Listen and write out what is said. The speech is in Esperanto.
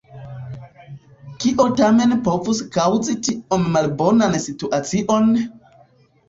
Kio tamen povus kaŭzi tiom malbonan situacion?